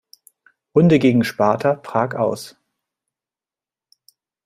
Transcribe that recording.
Runde gegen Sparta Prag aus.